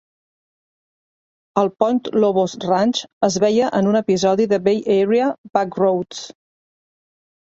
El Point Lobos Ranch es veia en un episodi de Bay Area Back Roads.